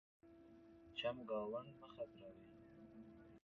چمګاونډ مه خبرَوئ.